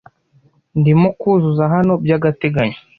Ndimo kuzuza hano by'agateganyo.